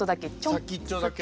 先っちょだけ？